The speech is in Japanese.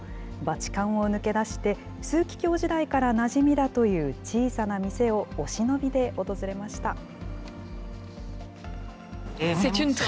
バチカンを抜け出して、枢機卿時代からなじみだという小さな店をお忍びで訪れました。